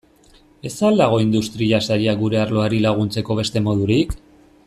Ez al dago Industria Sailak gure arloari laguntzeko beste modurik?